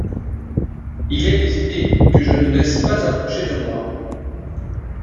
Il est des idées que je ne laisse pas approcher de moi.